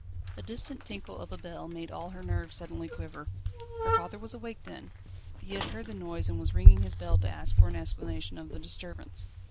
A distant tinkle of a bell made all her nerves suddenly quiver. Her father was awake then? He had heard the noise, and was ringing his bell to ask for an explanation of the disturbance.